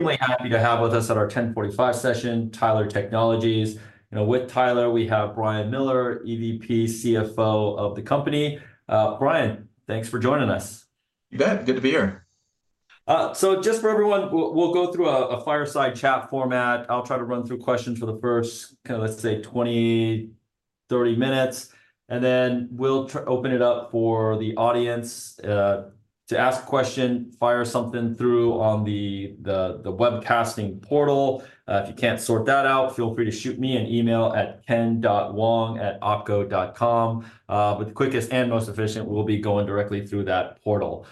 Really happy to have with us at our 10:45 session, Tyler Technologies. You know, with Tyler, we have Brian Miller, EVP, CFO of the company. Brian, thanks for joining us. You bet. Good to be here. So just for everyone, we'll go through a fireside chat format. I'll try to run through questions for the first kinda, let's say, 20, 30 minutes, and then we'll open it up for the audience to ask a question, fire something through on the webcasting portal. If you can't sort that out, feel free to shoot me an email at ken.wong@opco.com. But the quickest and most efficient will be going directly through that portal.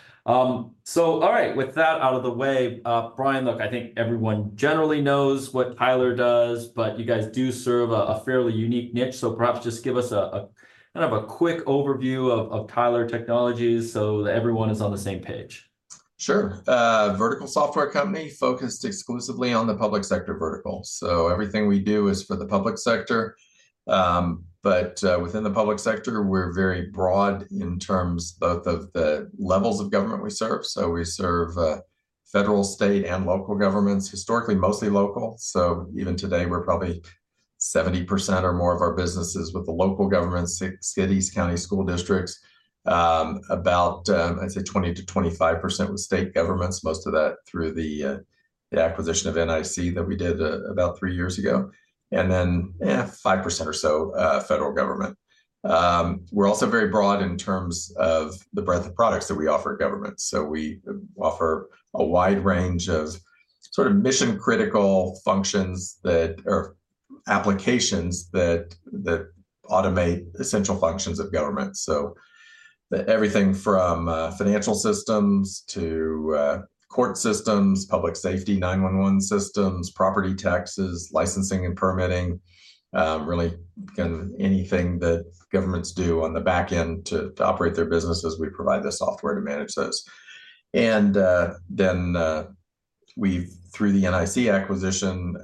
So all right, with that out of the way, Brian, look, I think everyone generally knows what Tyler does, but you guys do serve a fairly unique niche. So perhaps just give us a kind of a quick overview of Tyler Technologies so that everyone is on the same page. Sure. Vertical software company focused exclusively on the public sector vertical, so everything we do is for the public sector. But within the public sector, we're very broad in terms both of the levels of government we serve, so we serve federal, state, and local governments. Historically, mostly local, so even today, we're probably 70% or more of our business is with the local government, cities, county school districts. About, I'd say 20%-25% with state governments, most of that through the acquisition of NIC that we did about three years ago, and then 5% or so federal government. We're also very broad in terms of the breadth of products that we offer government. So we offer a wide range of sort of mission-critical functions that... Or applications that automate essential functions of government. So everything from financial systems to court systems, public safety, 911 systems, property taxes, licensing and permitting. Really kind of anything that governments do on the back end to operate their businesses, we provide the software to manage those. We, through the NIC acquisition,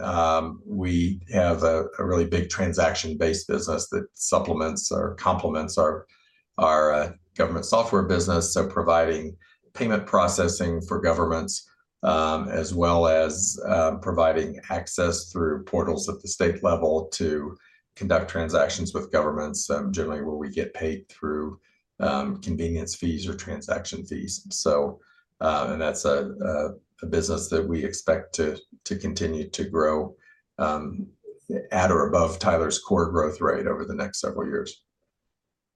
we have a really big transaction-based business that supplements or complements our government software business. So providing payment processing for governments, as well as providing access through portals at the state level to conduct transactions with governments, generally where we get paid through convenience fees or transaction fees. That's a business that we expect to continue to grow at or above Tyler's core growth rate over the next several years.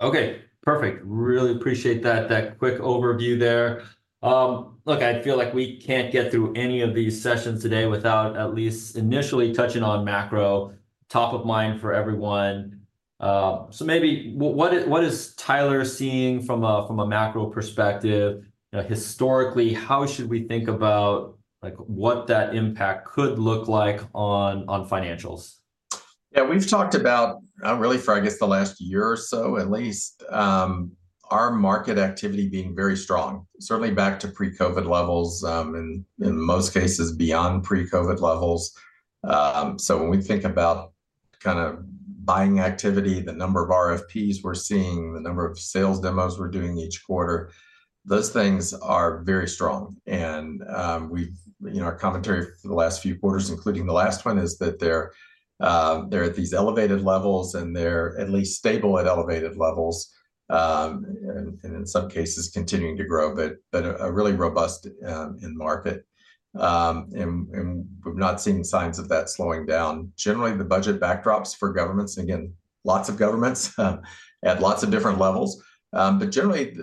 Okay, perfect. Really appreciate that, that quick overview there. Look, I feel like we can't get through any of these sessions today without at least initially touching on macro, top of mind for everyone. So maybe what is, what is Tyler seeing from a, from a macro perspective? You know, historically, how should we think about, like, what that impact could look like on, on financials? Yeah, we've talked about, really for I guess the last year or so at least, our market activity being very strong, certainly back to pre-COVID levels, and in most cases, beyond pre-COVID levels. So when we think about kind of buying activity, the number of RFPs we're seeing, the number of sales demos we're doing each quarter, those things are very strong. And, we've, you know, our commentary for the last few quarters, including the last one, is that they're, they're at these elevated levels, and they're at least stable at elevated levels, and, in some cases continuing to grow. But a really robust end market, and, we've not seen signs of that slowing down. Generally, the budget backdrops for governments, again, lots of governments, at lots of different levels, but generally,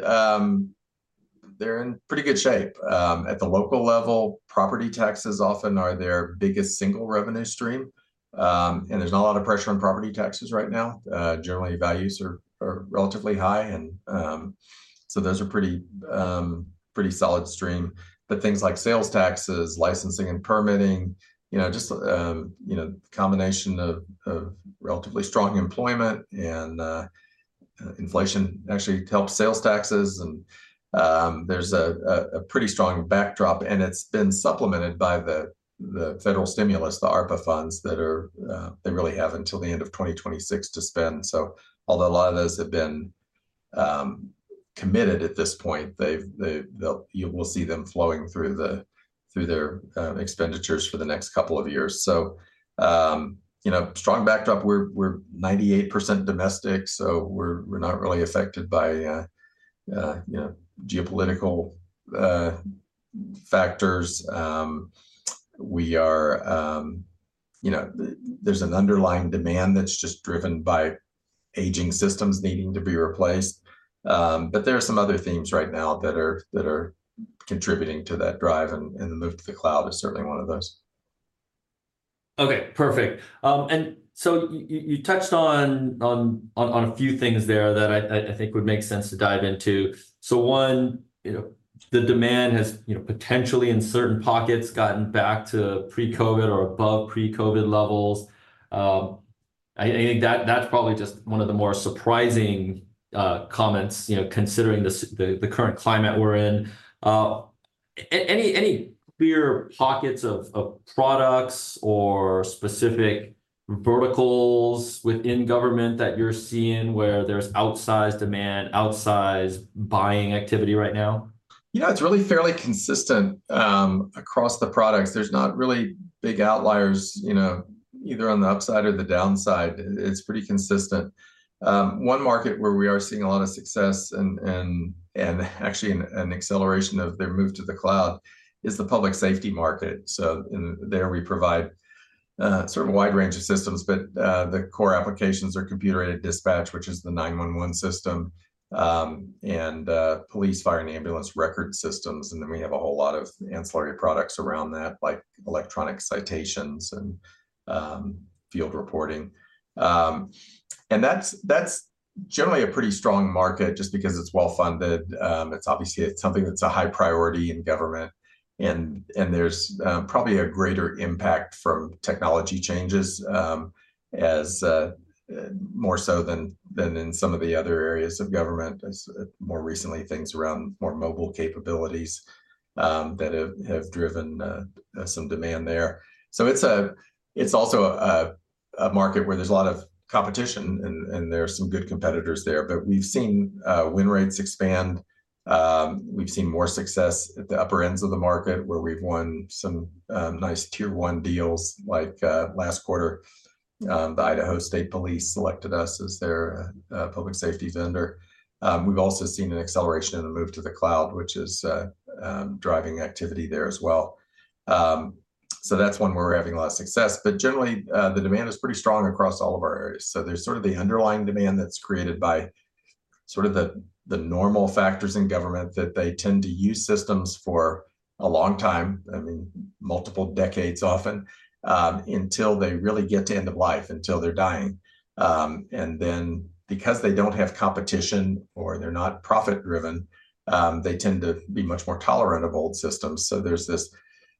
they're in pretty good shape. At the local level, property taxes often are their biggest single revenue stream, and there's not a lot of pressure on property taxes right now. Generally, values are relatively high, and so those are pretty solid stream. But things like sales taxes, licensing and permitting, you know, just, you know, combination of relatively strong employment and inflation actually helps sales taxes, and there's a pretty strong backdrop, and it's been supplemented by the federal stimulus, the ARPA funds, that are they really have until the end of 2026 to spend. So although a lot of those have been committed at this point, they've, they, they'll... You will see them flowing through their expenditures for the next couple of years. So, you know, strong backdrop, we're, we're 98% domestic, so we're, we're not really affected by, you know, geopolitical, factors. We are, you know, there's an underlying demand that's just driven by aging systems needing to be replaced. But there are some other themes right now that are, that are contributing to that drive, and, and the move to the cloud is certainly one of those. Okay, perfect. And so you touched on a few things there that I think would make sense to dive into. So one, you know, the demand has, you know, potentially in certain pockets, gotten back to pre-COVID or above pre-COVID levels. I think that's probably just one of the more surprising comments, you know, considering the current climate we're in. Any clear pockets of products or specific verticals within government that you're seeing where there's outsized demand, outsized buying activity right now? Yeah, it's really fairly consistent, across the products. There's not really big outliers, you know, either on the upside or the downside. It, it's pretty consistent. One market where we are seeing a lot of success and actually an acceleration of their move to the cloud is the public safety market. So in there we provide sort of a wide range of systems, but the core applications are computer-aided dispatch, which is the 911 system, and police, fire, and ambulance record systems, and then we have a whole lot of ancillary products around that, like electronic citations and field reporting. And that's generally a pretty strong market just because it's well-funded. It's obviously it's something that's a high priority in government and there's probably a greater impact from technology changes, as more so than in some of the other areas of government, as more recently things around more mobile capabilities that have driven some demand there. So it's also a market where there's a lot of competition and there are some good competitors there, but we've seen win rates expand. We've seen more success at the upper ends of the market, where we've won some nice tier one deals, like last quarter the Idaho State Police selected us as their public safety vendor. We've also seen an acceleration in the move to the cloud, which is driving activity there as well. So that's one where we're having a lot of success, but generally, the demand is pretty strong across all of our areas. So there's sort of the underlying demand that's created by sort of the normal factors in government, that they tend to use systems for a long time, I mean, multiple decades often, until they really get to end of life, until they're dying. And then because they don't have competition or they're not profit-driven, they tend to be much more tolerant of old systems. So there's this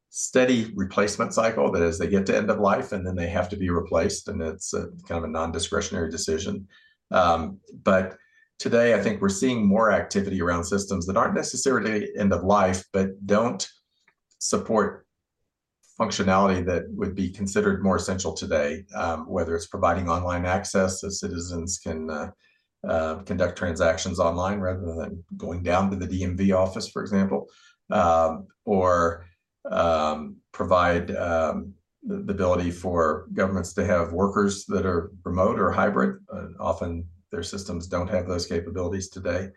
steady replacement cycle that as they get to end of life, and then they have to be replaced, and it's a kind of a non-discretionary decision. But today, I think we're seeing more activity around systems that aren't necessarily end of life, but don't support functionality that would be considered more essential today. Whether it's providing online access, so citizens can conduct transactions online rather than going down to the DMV office, for example. Or provide the ability for governments to have workers that are remote or hybrid, often their systems don't have those capabilities today.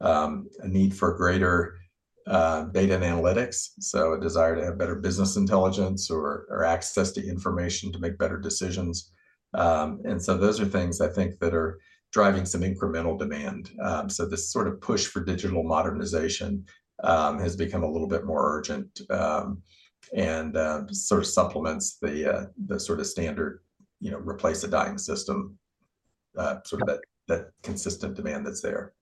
A need for greater data and analytics, so a desire to have better business intelligence or access to information to make better decisions. And so those are things I think that are driving some incremental demand. So this sort of push for digital modernization has become a little bit more urgent and sort of supplements the sort of standard, you know, replace a dying system sort of that consistent demand that's there.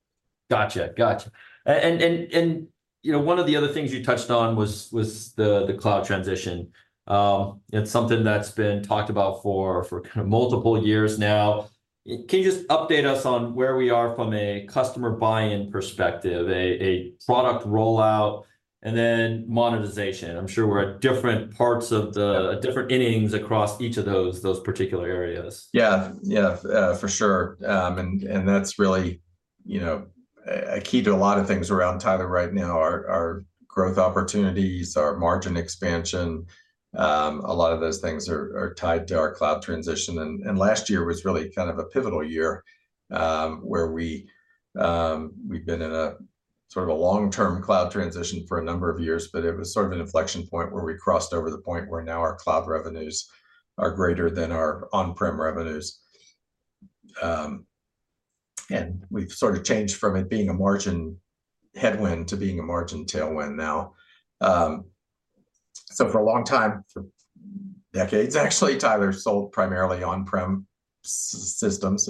Gotcha, gotcha. And you know, one of the other things you touched on was the cloud transition. It's something that's been talked about for kind of multiple years now. Can you just update us on where we are from a customer buy-in perspective, a product rollout, and then monetization? I'm sure we're at different parts of the different innings across each of those particular areas. Yeah. Yeah, for sure. And that's really, you know, a key to a lot of things around Tyler right now. Our growth opportunities, our margin expansion, a lot of those things are tied to our cloud transition, and last year was really kind of a pivotal year, where we've been in a sort of a long-term cloud transition for a number of years, but it was sort of an inflection point where we crossed over the point where now our cloud revenues are greater than our on-prem revenues. And we've sort of changed from it being a margin headwind to being a margin tailwind now. So for a long time, for decades actually, Tyler sold primarily on-prem systems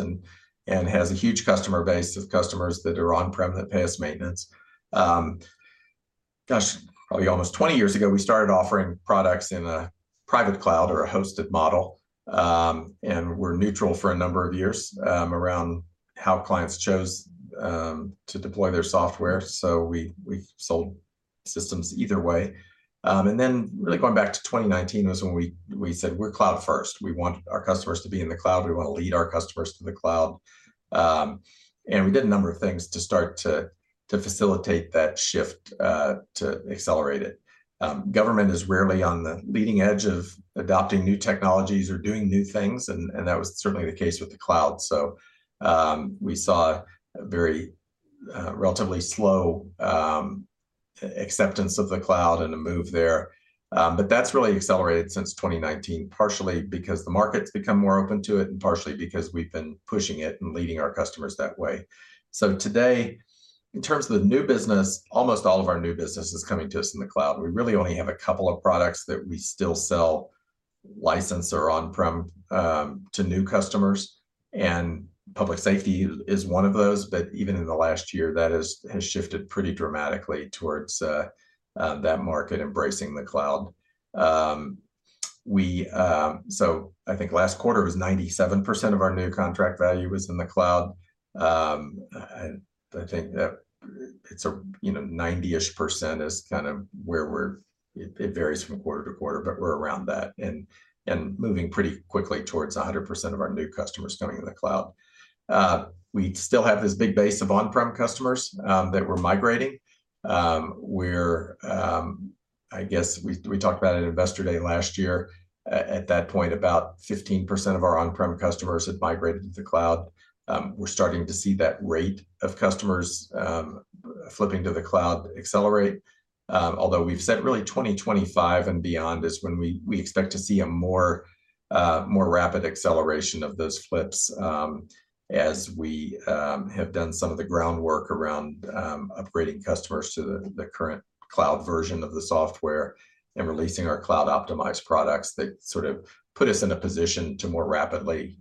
and has a huge customer base of customers that are on-prem that pay us maintenance. Gosh, probably almost 20 years ago, we started offering products in a private cloud or a hosted model. And we're neutral for a number of years around how clients chose to deploy their software, so we sold systems either way. And then really going back to 2019, was when we said, "We're cloud first. We want our customers to be in the cloud. We want to lead our customers to the cloud." And we did a number of things to start to facilitate that shift to accelerate it. Government is rarely on the leading edge of adopting new technologies or doing new things, and that was certainly the case with the cloud. So, we saw a very relatively slow acceptance of the cloud and a move there. But that's really accelerated since 2019, partially because the market's become more open to it, and partially because we've been pushing it and leading our customers that way. So today, in terms of the new business, almost all of our new business is coming to us in the cloud. We really only have a couple of products that we still sell license or on-prem to new customers, and public safety is one of those. But even in the last year, that has shifted pretty dramatically towards that market embracing the cloud. So I think last quarter was 97% of our new contract value was in the cloud. I think that-... It's a, you know, 90-ish percent is kind of where we're at. It varies from quarter to quarter, but we're around that, and moving pretty quickly towards 100% of our new customers coming in the cloud. We still have this big base of on-prem customers that we're migrating. I guess we talked about it at Investor Day last year. At that point, about 15% of our on-prem customers had migrated to the cloud. We're starting to see that rate of customers flipping to the cloud accelerate. Although we've said really 2025 and beyond is when we expect to see a more rapid acceleration of those flips. As we have done some of the groundwork around upgrading customers to the current cloud version of the software and releasing our cloud-optimized products, that sort of put us in a position to more rapidly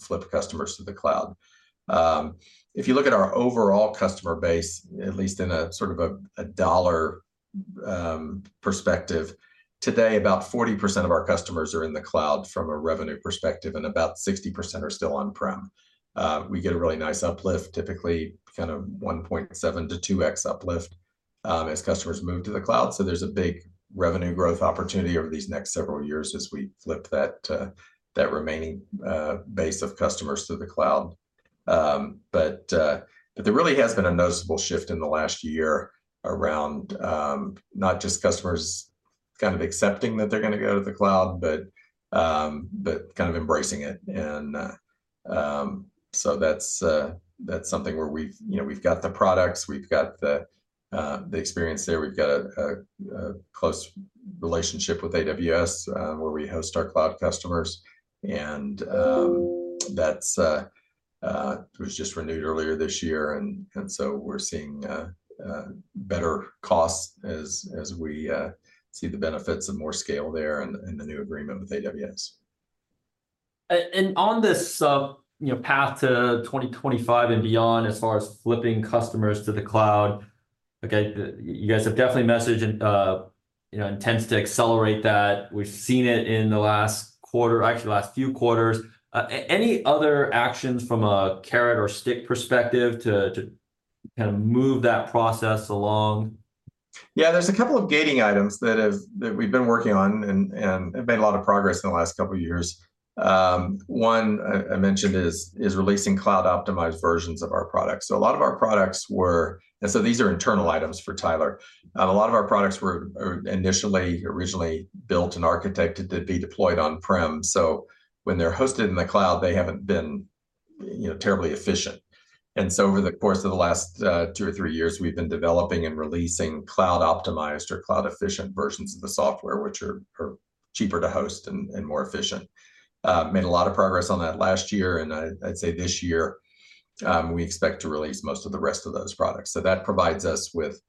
flip customers to the cloud. If you look at our overall customer base, at least in a sort of a dollar perspective, today, about 40% of our customers are in the cloud from a revenue perspective, and about 60% are still on-prem. We get a really nice uplift, typically kind of 1.7x-2x uplift, as customers move to the cloud, so there's a big revenue growth opportunity over these next several years as we flip that remaining base of customers to the cloud. But there really has been a noticeable shift in the last year around not just customers kind of accepting that they're gonna go to the cloud, but kind of embracing it. And so that's something where we've, you know, we've got the products, we've got the experience there. We've got a close relationship with AWS, where we host our cloud customers, and that's. It was just renewed earlier this year, and so we're seeing better costs as we see the benefits of more scale there in the new agreement with AWS. And on this, you know, path to 2025 and beyond, as far as flipping customers to the cloud, okay, you guys have definitely messaged and, you know, intends to accelerate that. We've seen it in the last quarter, actually the last few quarters. Any other actions from a carrot or stick perspective to, to kind of move that process along? Yeah, there's a couple of gating items that we've been working on and have made a lot of progress in the last couple of years. One I mentioned is releasing cloud-optimized versions of our products. So a lot of our products were, and so these are internal items for Tyler. A lot of our products were initially originally built and architected to be deployed on-prem, so when they're hosted in the cloud, they haven't been, you know, terribly efficient. And so over the course of the last two or three years, we've been developing and releasing cloud-optimized or cloud-efficient versions of the software, which are cheaper to host and more efficient. Made a lot of progress on that last year, and I, I'd say this year, we expect to release most of the rest of those products. So that provides us with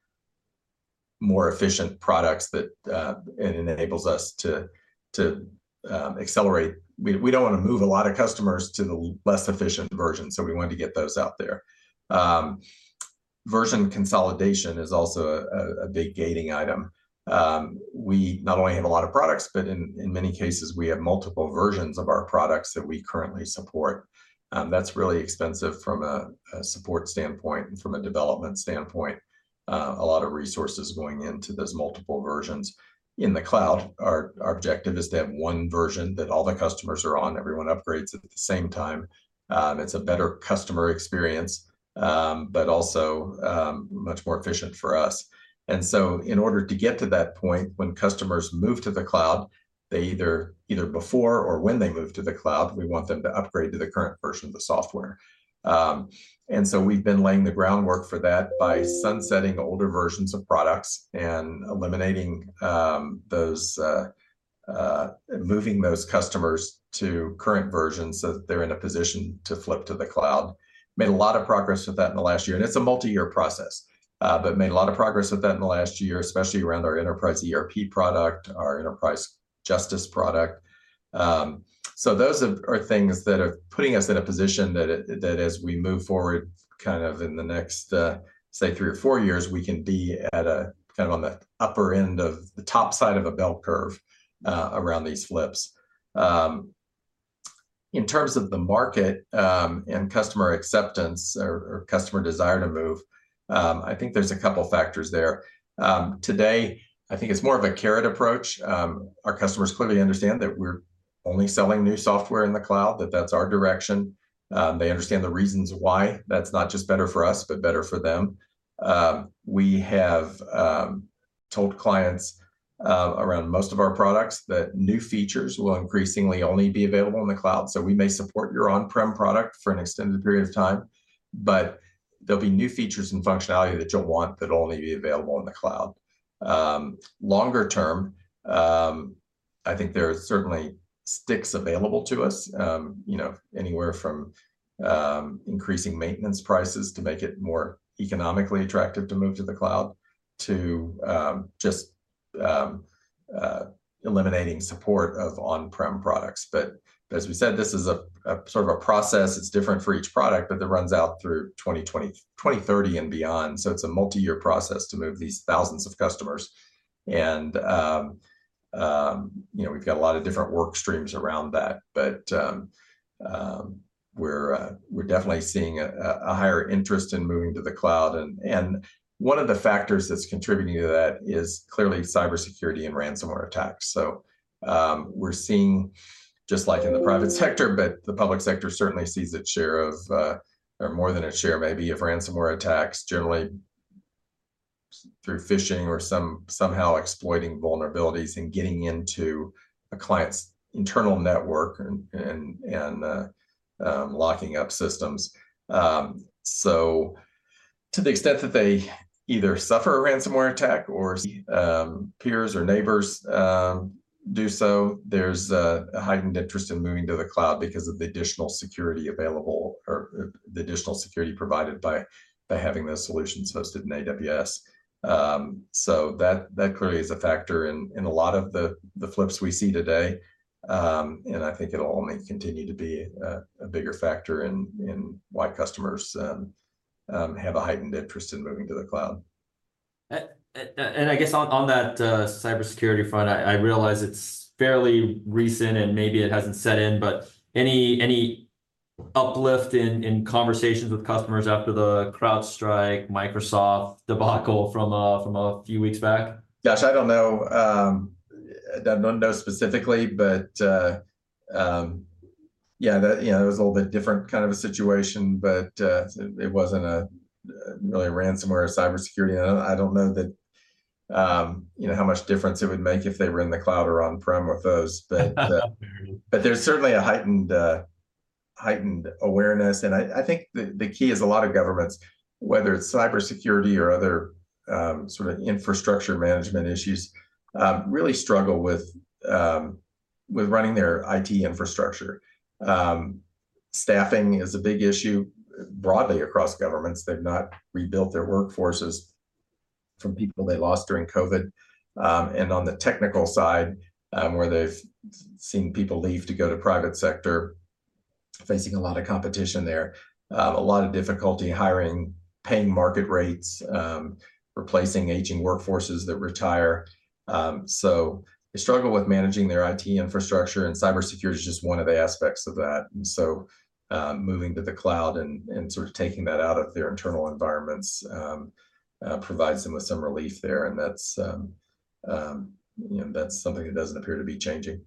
more efficient products that and enables us to, to, accelerate. We don't wanna move a lot of customers to the less efficient version, so we want to get those out there. Version consolidation is also a big gating item. We not only have a lot of products, but in many cases, we have multiple versions of our products that we currently support. That's really expensive from a support standpoint and from a development standpoint. A lot of resources going into those multiple versions. In the cloud, our objective is to have one version that all the customers are on, everyone upgrades at the same time. It's a better customer experience, but also, much more efficient for us. And so in order to get to that point, when customers move to the cloud, they either before or when they move to the cloud, we want them to upgrade to the current version of the software. And so we've been laying the groundwork for that by sunsetting older versions of products and eliminating those, moving those customers to current versions, so that they're in a position to flip to the cloud. Made a lot of progress with that in the last year, and it's a multi-year process, but made a lot of progress with that in the last year, especially around our Enterprise ERP product, our Enterprise Justice product. So those are things that are putting us in a position that as we move forward, kind of in the next, say, three or four years, we can be at a kind of on the upper end of the top side of a bell curve, around these flips. In terms of the market, and customer acceptance or customer desire to move, I think there's a couple factors there. Today, I think it's more of a carrot approach. Our customers clearly understand that we're only selling new software in the cloud, that that's our direction. They understand the reasons why. That's not just better for us, but better for them. We have told clients around most of our products that new features will increasingly only be available in the cloud. So we may support your on-prem product for an extended period of time, but there'll be new features and functionality that you'll want that will only be available in the cloud. Longer term, I think there are certainly sticks available to us, you know, anywhere from increasing maintenance prices to make it more economically attractive to move to the cloud, to just eliminating support of on-prem products. But as we said, this is a sort of process that's different for each product, but that runs out through 2020, 2030 and beyond. So it's a multi-year process to move these thousands of customers. And you know, we've got a lot of different work streams around that, but we're definitely seeing a higher interest in moving to the cloud. One of the factors that's contributing to that is clearly cybersecurity and ransomware attacks. So, we're seeing just like in the private sector, but the public sector certainly sees its share of, or more than its share, maybe, of ransomware attacks, generally through phishing or somehow exploiting vulnerabilities and getting into a client's internal network and locking up systems. So to the extent that they either suffer a ransomware attack or, peers or neighbors, do so, there's a heightened interest in moving to the cloud because of the additional security available or, the additional security provided by having those solutions hosted in AWS. So that clearly is a factor in a lot of the flips we see today. I think it'll only continue to be a bigger factor in why customers have a heightened interest in moving to the cloud. And I guess on that cybersecurity front, I realize it's fairly recent and maybe it hasn't set in, but any uplift in conversations with customers after the CrowdStrike, Microsoft debacle from a few weeks back? Gosh, I don't know, I don't know specifically, but, yeah, that, you know, it was a little bit different kind of a situation, but, it, it wasn't a, really a ransomware or cybersecurity. And I, I don't know that, you know, how much difference it would make if they were in the cloud or on-prem with those. But there's certainly a heightened, heightened awareness. And I, I think the, the key is a lot of governments, whether it's cybersecurity or other, sort of infrastructure management issues, really struggle with, with running their IT infrastructure. Staffing is a big issue broadly across governments. They've not rebuilt their workforces from people they lost during COVID. And on the technical side, where they've seen people leave to go to private sector, facing a lot of competition there, a lot of difficulty hiring, paying market rates, replacing aging workforces that retire. So they struggle with managing their IT infrastructure, and cybersecurity is just one of the aspects of that. And so, moving to the cloud and sort of taking that out of their internal environments, provides them with some relief there, and that's, you know, that's something that doesn't appear to be changing.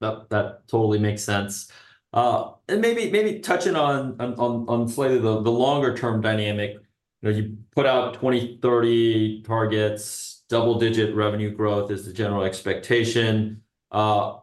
That totally makes sense. And maybe touching on slightly the longer term dynamic, you know, you put out 2030 targets, double-digit revenue growth is the general expectation. I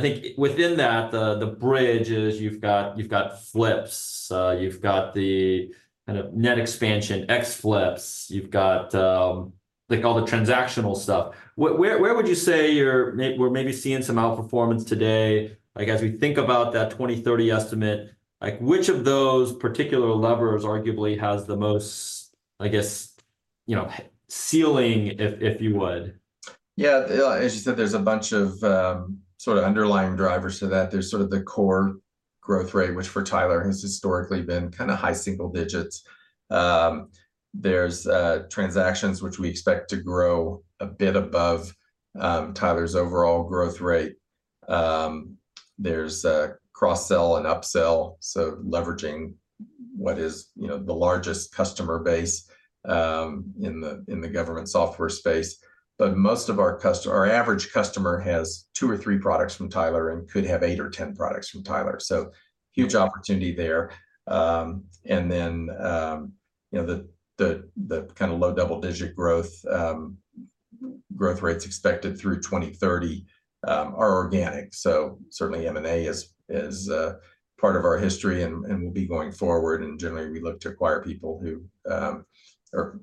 think within that, the bridge is you've got flips, you've got the kind of net expansion, X flips. You've got, like, all the transactional stuff. Where would you say we're maybe seeing some outperformance today? Like, as we think about that 2030 estimate, like, which of those particular levers arguably has the most, I guess, you know, ceiling, if you would? Yeah, as you said, there's a bunch of sort of underlying drivers to that. There's sort of the core growth rate, which for Tyler has historically been kind of high single digits. There's transactions which we expect to grow a bit above Tyler's overall growth rate. There's cross-sell and up-sell, so leveraging what is, you know, the largest customer base in the government software space. But most of our customer, our average customer has two or three products from Tyler and could have eight or 10 products from Tyler. So huge opportunity there. And then, you know, the kind of low double-digit growth rates expected through 2030 are organic. So certainly M&A is part of our history and will be going forward, and generally, we look to acquire people who are.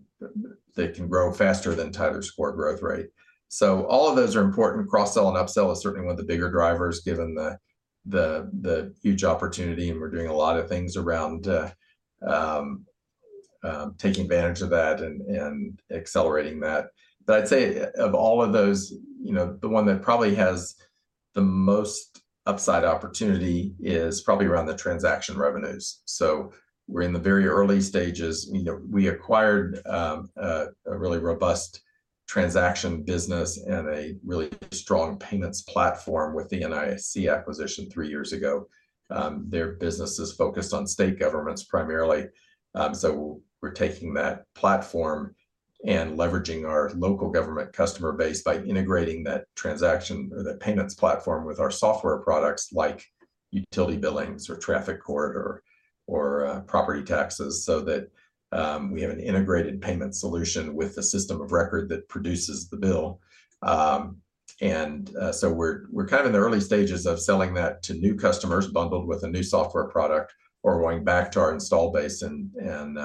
They can grow faster than Tyler's core growth rate. So all of those are important. Cross-sell and up-sell is certainly one of the bigger drivers, given the huge opportunity, and we're doing a lot of things around taking advantage of that and accelerating that. But I'd say of all of those, you know, the one that probably has the most upside opportunity is probably around the transaction revenues. So we're in the very early stages. You know, we acquired a really robust transaction business and a really strong payments platform with the NIC acquisition three years ago. Their business is focused on state governments primarily. So we're taking that platform and leveraging our local government customer base by integrating that transaction or that payments platform with our software products, like utility billings or traffic court or property taxes, so that we have an integrated payment solution with a system of record that produces the bill. And so we're kind of in the early stages of selling that to new customers bundled with a new software product or going back to our install base and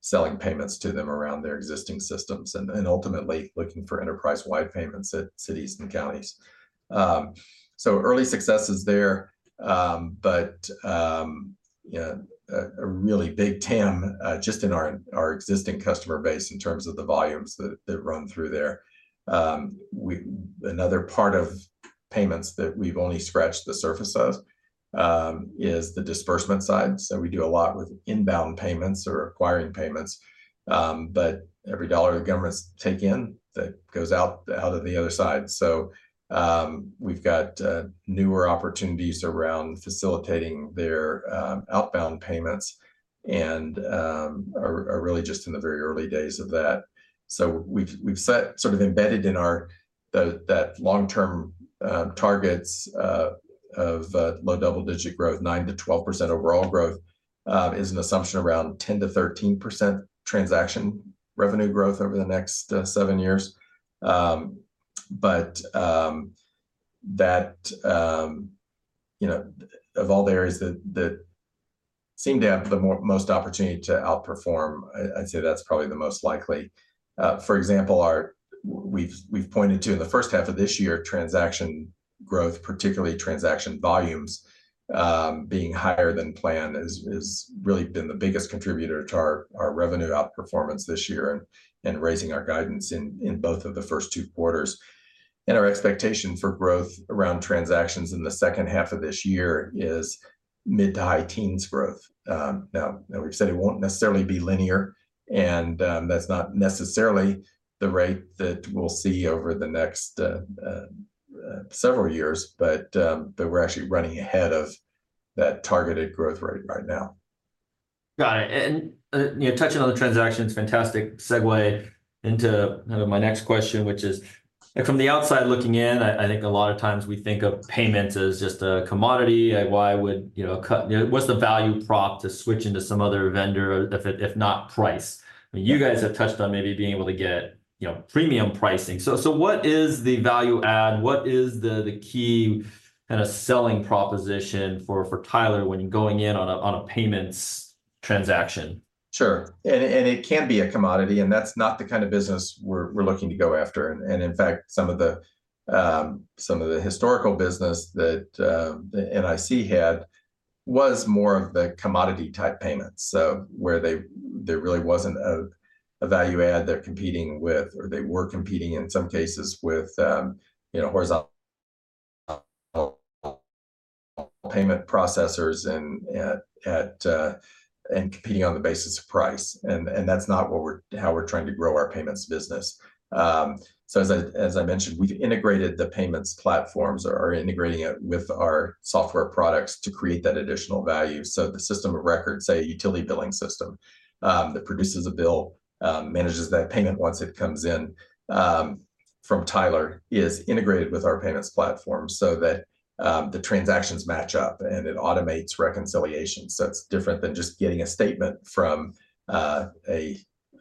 selling payments to them around their existing systems, and then ultimately looking for enterprise-wide payments at cities and counties. So early successes there, but yeah, a really big TAM just in our existing customer base in terms of the volumes that run through there. We another part of payments that we've only scratched the surface of... is the disbursement side. So we do a lot with inbound payments or acquiring payments. But every dollar the governments take in, that goes out of the other side. So we've got newer opportunities around facilitating their outbound payments, and are really just in the very early days of that. So we've set, sort of embedded in our the that long-term targets of low double-digit growth, 9%-12% overall growth, is an assumption around 10%-13% transaction revenue growth over the next seven years. But that you know of all the areas that that seem to have the most opportunity to outperform, I'd say that's probably the most likely. For example, our... We've pointed to in the first half of this year, transaction growth, particularly transaction volumes, being higher than planned, is really been the biggest contributor to our revenue outperformance this year and raising our guidance in both of the first two quarters. And our expectation for growth around transactions in the second half of this year is mid to high teens growth. Now, now we've said it won't necessarily be linear, and, that's not necessarily the rate that we'll see over the next several years, but, but we're actually running ahead of that targeted growth rate right now. Got it. And, you know, touching on the transaction, it's fantastic segue into kind of my next question, which is, from the outside looking in, I, I think a lot of times we think of payments as just a commodity. Why would, you know, What's the value prop to switch into some other vendor if it, if not price? You guys have touched on maybe being able to get, you know, premium pricing. So, so what is the value add? What is the, the key kind of selling proposition for, for Tyler when going in on a, on a payments transaction? Sure. And it can be a commodity, and that's not the kind of business we're looking to go after. And, in fact, some of the historical business that the NIC had was more of the commodity-type payments. So where there really wasn't a value add they're competing with, or they were competing in some cases with, you know, horizontal payment processors and competing on the basis of price. And that's not how we're trying to grow our payments business. So as I mentioned, we've integrated the payments platforms or are integrating it with our software products to create that additional value. So the system of record, say, a utility billing system, that produces a bill, manages that payment once it comes in, from Tyler, is integrated with our payments platform so that, the transactions match up, and it automates reconciliation. So it's different than just getting a statement from a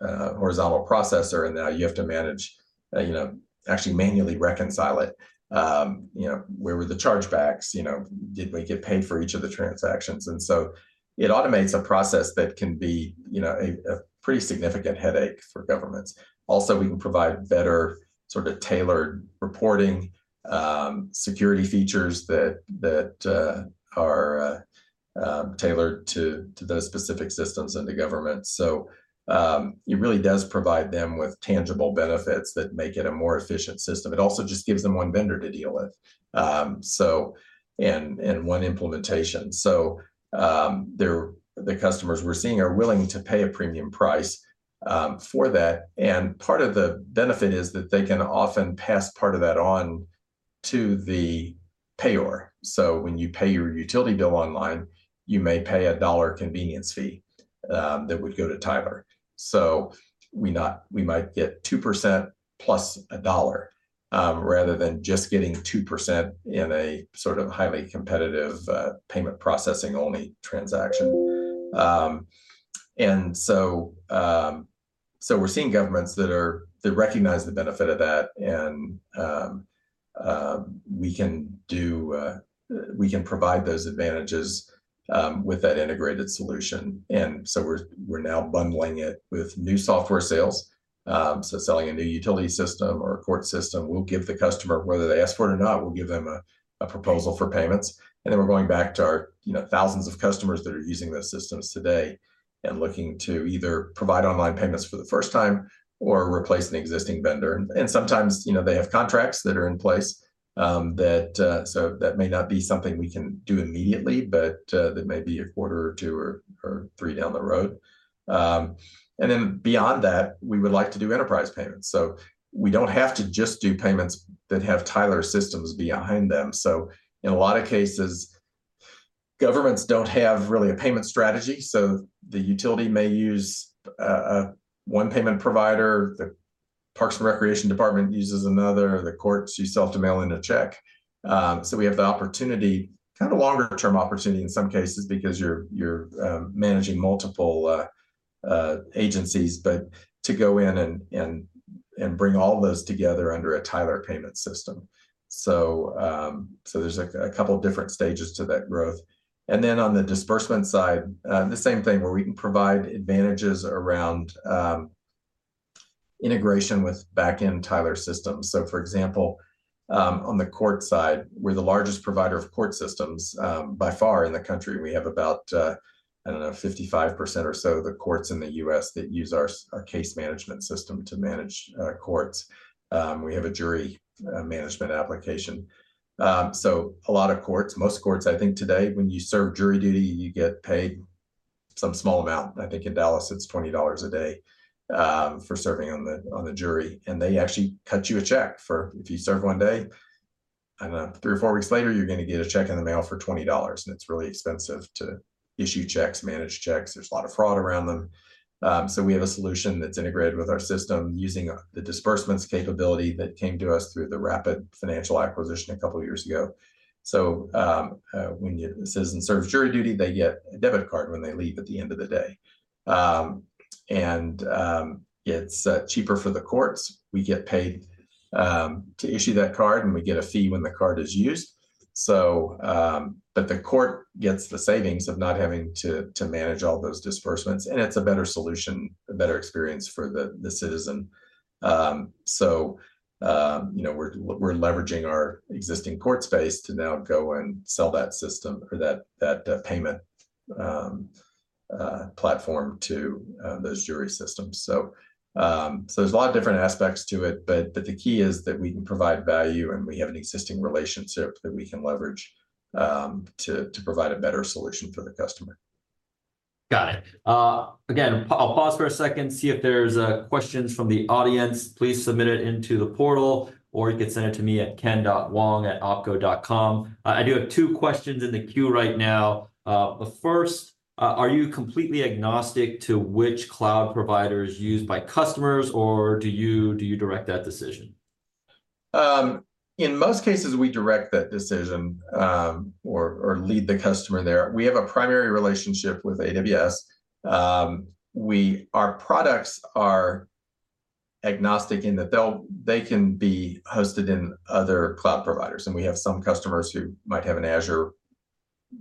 horizontal processor, and now you have to manage, you know, actually manually reconcile it. You know, where were the chargebacks? You know, did we get paid for each of the transactions? And so it automates a process that can be, you know, a pretty significant headache for governments. Also, we can provide better sort of tailored reporting, security features that are tailored to those specific systems in the government. So, it really does provide them with tangible benefits that make it a more efficient system. It also just gives them one vendor to deal with. So, and one implementation. So, they're the customers we're seeing are willing to pay a premium price, for that. And part of the benefit is that they can often pass part of that on to the payer. So when you pay your utility bill online, you may pay a $1 convenience fee, that would go to Tyler. So we might get 2% + $1, rather than just getting 2% in a sort of highly competitive, payment processing only transaction. And so, so we're seeing governments that that recognize the benefit of that, and, we can provide those advantages, with that integrated solution, and so we're now bundling it with new software sales. So selling a new utility system or a court system, we'll give the customer, whether they ask for it or not, we'll give them a proposal for payments. And then we're going back to our, you know, thousands of customers that are using those systems today and looking to either provide online payments for the first time or replace an existing vendor. And sometimes, you know, they have contracts that are in place, so that may not be something we can do immediately, but that may be a quarter or two or three down the road. And then beyond that, we would like to do enterprise payments. So we don't have to just do payments that have Tyler systems behind them. So in a lot of cases, governments don't have really a payment strategy, so the utility may use one payment provider, the parks and recreation department uses another, the courts, you still have to mail in a check. So we have the opportunity, kind of longer term opportunity in some cases, because you're managing multiple agencies, but to go in and bring all those together under a Tyler payment system. So, so there's a couple different stages to that growth. And then on the disbursement side, the same thing, where we can provide advantages around integration with back-end Tyler systems. So for example, on the court side, we're the largest provider of court systems, by far in the country. We have about, I don't know, 55% or so of the courts in the U.S. that use our case management system to manage courts. We have a jury management application. So a lot of courts, most courts, I think today, when you serve jury duty, you get paid some small amount. I think in Dallas, it's $20 a day for serving on the jury, and they actually cut you a check for if you serve one day, and three or four weeks later, you're gonna get a check in the mail for $20, and it's really expensive to issue checks, manage checks. There's a lot of fraud around them. So we have a solution that's integrated with our system using the disbursements capability that came to us through the Rapid Financial acquisition a couple of years ago. So when a citizen serves jury duty, they get a debit card when they leave at the end of the day. It's cheaper for the courts. We get paid to issue that card, and we get a fee when the card is used. So but the court gets the savings of not having to manage all those disbursements, and it's a better solution, a better experience for the citizen. So you know, we're leveraging our existing court space to now go and sell that system or that payment platform to those jury systems. So, so there's a lot of different aspects to it, but, but the key is that we can provide value, and we have an existing relationship that we can leverage, to, to provide a better solution for the customer. Got it. Again, I'll pause for a second, see if there's questions from the audience. Please submit it into the portal, or you can send it to me at ken.wong@opco.com. I do have two questions in the queue right now. The first: Are you completely agnostic to which cloud provider is used by customers, or do you, do you direct that decision? In most cases, we direct that decision, or lead the customer there. We have a primary relationship with AWS. Our products are agnostic in that they can be hosted in other cloud providers, and we have some customers who might have an Azure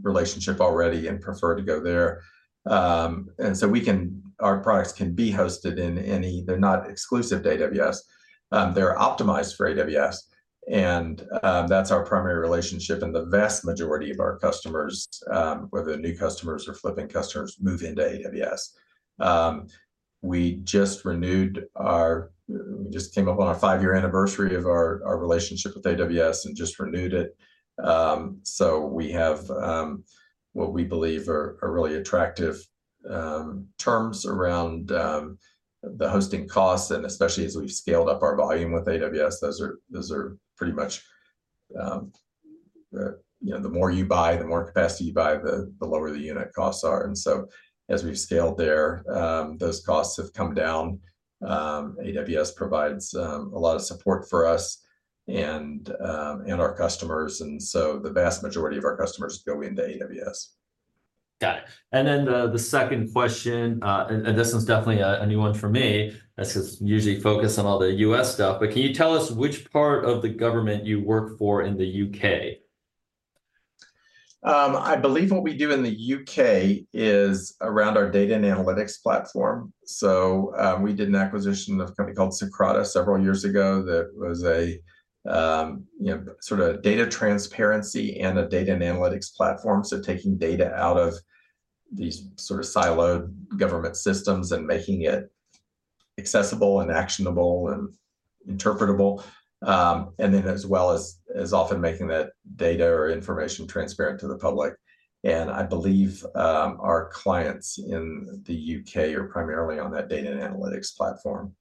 relationship already and prefer to go there. And so our products can be hosted in any... They're not exclusive to AWS. They're optimized for AWS, and that's our primary relationship, and the vast majority of our customers, whether they're new customers or flipping customers, move into AWS. We just came up on our five-year anniversary of our relationship with AWS and just renewed it. So we have what we believe are really attractive terms around the hosting costs, and especially as we've scaled up our volume with AWS, those are pretty much you know, the more you buy, the more capacity you buy, the lower the unit costs are. And so as we've scaled there, those costs have come down. AWS provides a lot of support for us and our customers, and so the vast majority of our customers go into AWS. Got it. Then the second question, and this one's definitely a new one for me, as I usually focus on all the U.S. stuff, but can you tell us which part of the government you work for in the U.K.? I believe what we do in the U.K. is around our data and analytics platform. So, we did an acquisition of a company called Socrata several years ago. That was a, you know, sort of data transparency and a data and analytics platform, so taking data out of these sort of siloed government systems and making it accessible, and actionable, and interpretable. And then as well as, as often making that data or information transparent to the public. And I believe, our clients in the U.K. are primarily on that data and analytics platform.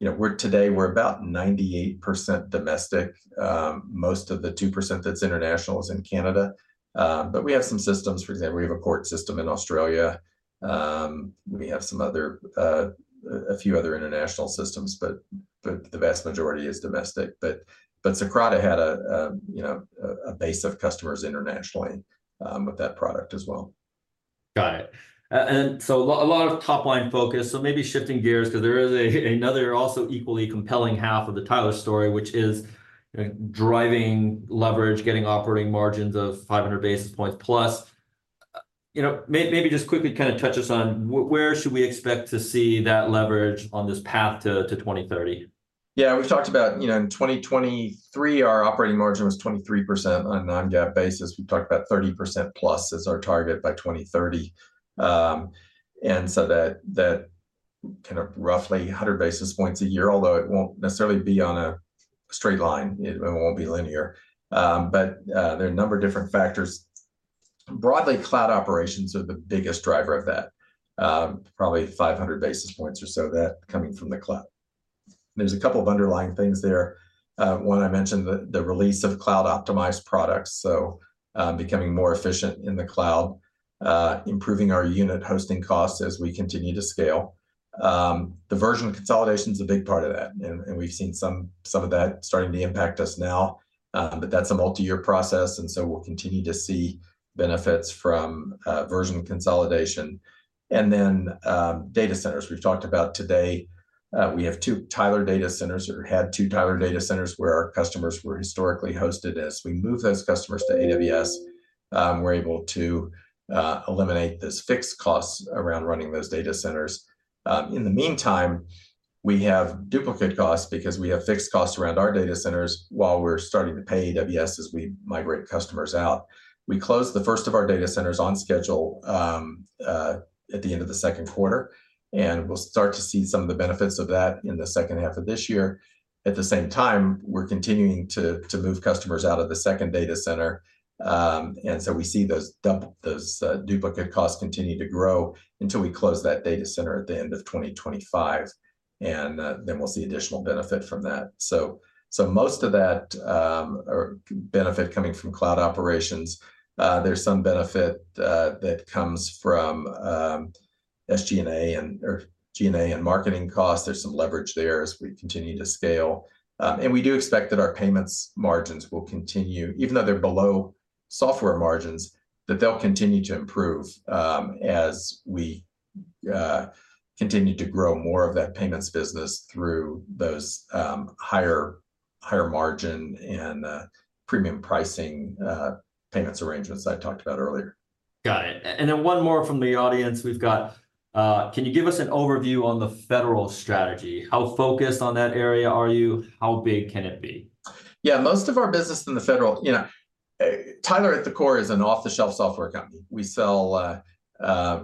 You know, we're, today we're about 98% domestic. Most of the 2% that's international is in Canada. But we have some systems. For example, we have a court system in Australia. We have some other, a few other international systems, but the vast majority is domestic. But Socrata had a, you know, a base of customers internationally, with that product as well. Got it. And so a lot of top-line focus, so maybe shifting gears because there is a another also equally compelling half of the Tyler story, which is driving leverage, getting operating margins of 500 basis points plus. You know, maybe just quickly kind of touch us on where should we expect to see that leverage on this path to 2030? Yeah, we've talked about, you know, in 2023, our operating margin was 23% on a non-GAAP basis. We've talked about 30%+ as our target by 2030. And so that kind of roughly 100 basis points a year, although it won't necessarily be on a straight line, it won't be linear. But there are a number of different factors. Broadly, cloud operations are the biggest driver of that, probably 500 basis points or so of that coming from the cloud. There's a couple of underlying things there. One, I mentioned the release of cloud-optimized products, so becoming more efficient in the cloud, improving our unit hosting costs as we continue to scale. The version consolidation is a big part of that, and we've seen some of that starting to impact us now. But that's a multi-year process, and so we'll continue to see benefits from version consolidation. And then data centers we've talked about today. We have two Tyler data centers or had two Tyler data centers where our customers were historically hosted. As we move those customers to AWS, we're able to eliminate this fixed cost around running those data centers. In the meantime, we have duplicate costs because we have fixed costs around our data centers while we're starting to pay AWS as we migrate customers out. We closed the first of our data centers on schedule, at the end of the second quarter, and we'll start to see some of the benefits of that in the second half of this year. At the same time, we're continuing to move customers out of the second data center. And so we see those duplicate costs continue to grow until we close that data center at the end of 2025, and then we'll see additional benefit from that. So most of that are benefit coming from cloud operations. There's some benefit that comes from SG&A and, or G&A and marketing costs. There's some leverage there as we continue to scale. And we do expect that our payments margins will continue, even though they're below software margins, that they'll continue to improve, as we continue to grow more of that payments business through those higher, higher margin and premium pricing payments arrangements I talked about earlier. Got it. And then one more from the audience. We've got: "Can you give us an overview on the federal strategy? How focused on that area are you? How big can it be? Yeah, most of our business in the federal... You know, Tyler, at the core, is an off-the-shelf software company. We sell...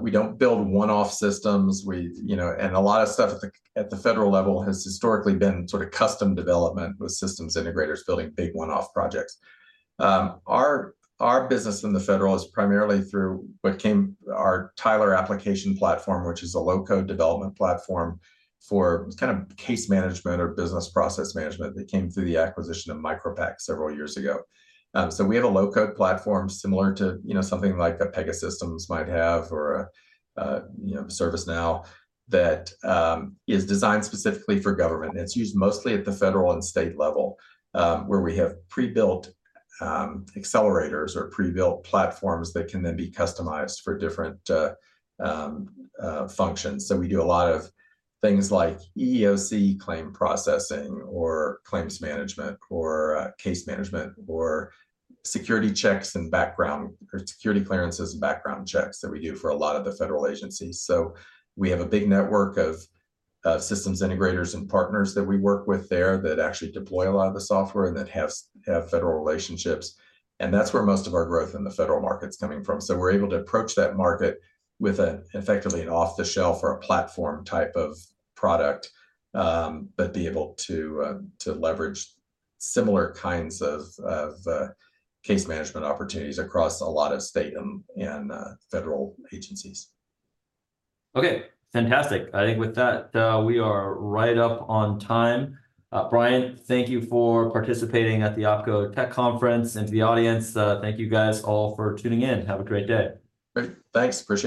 We don't build one-off systems. We, you know, and a lot of stuff at the federal level has historically been sort of custom development, with systems integrators building big one-off projects. Our business in the federal is primarily through what came our Tyler Application Platform, which is a low-code development platform for kind of case management or business process management that came through the acquisition of MicroPact several years ago. So we have a low-code platform similar to, you know, something like a Pegasystems might have or a ServiceNow, that is designed specifically for government. It's used mostly at the federal and state level, where we have pre-built, accelerators or pre-built platforms that can then be customized for different functions. So we do a lot of things like EEOC claim processing, or claims management, or, case management, or security checks and background, or security clearances and background checks that we do for a lot of the federal agencies. So we have a big network of, systems integrators and partners that we work with there that actually deploy a lot of the software and that have, have federal relationships, and that's where most of our growth in the federal market's coming from. So we're able to approach that market with a effectively an off-the-shelf or a platform type of product, but be able to leverage similar kinds of case management opportunities across a lot of state and federal agencies. Okay, fantastic. I think with that, we are right up on time. Brian, thank you for participating at the Opco Tech Conference, and to the audience, thank you guys all for tuning in. Have a great day. Great. Thanks, Prashant.